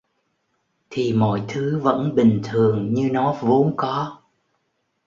Thì mọi thứ vẫn bình thường như nó vốn có